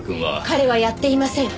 彼はやっていません。